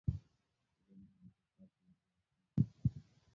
Vyombo na vifaa vinavyahitajika